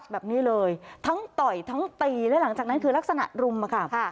แบบนี้เลยทั้งต่อยทั้งตีและหลังจากนั้นคือลักษณะรุมอะค่ะ